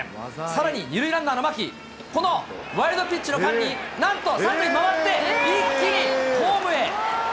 さらに２塁ランナーの牧、このワイルドピッチの間になんと３塁回って、一気にホームへ。